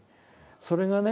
それがね